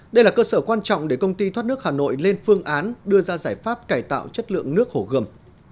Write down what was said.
đây là cơ sở quan trọng để công ty thoát nước hà nội lên phương án đưa ra giải pháp cải tạo chất lượng nước hồ gươm